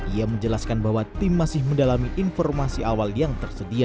ia menjelaskan bahwa tim masih mendalami informasi awal yang tersedia